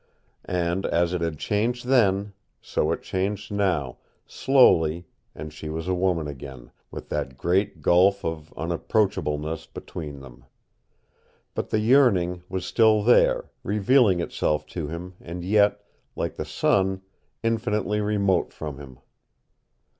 And as it had changed then, so it changed now, slowly, and she was a woman again, with that great gulf of unapproachableness between them. But the yearning was still there, revealing itself to him, and yet, like the sun, infinitely remote from him.